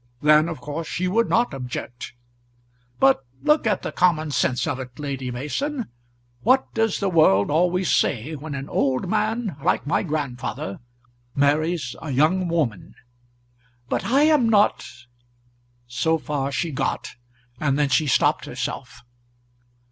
Then of course she would not object. But look at the common sense of it, Lady Mason. What does the world always say when an old man like my grandfather marries a young woman?" "But I am not ." So far she got, and then she stopped herself.